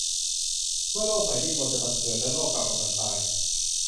เมื่อโลกใหม่ดิ้นรนจะบังเกิด และโลกเก่ากำลังตาย ?